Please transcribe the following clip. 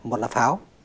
một là pháo